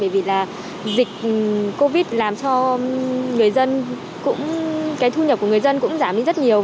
vì là dịch covid làm cho người dân cũng cái thu nhập của người dân cũng giảm đi rất nhiều